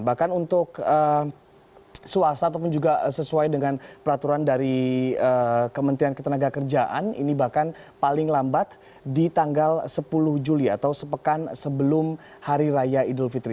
bahkan untuk swasta ataupun juga sesuai dengan peraturan dari kementerian ketenaga kerjaan ini bahkan paling lambat di tanggal sepuluh juli atau sepekan sebelum hari raya idul fitri